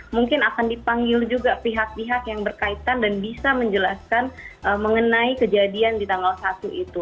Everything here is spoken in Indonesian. mungkin akan dipanggil juga pihak pihak yang berkaitan dan bisa menjelaskan mengenai kejadian di tanggal satu itu